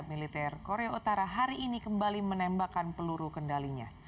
militer korea utara hari ini kembali menembakkan peluru kendalinya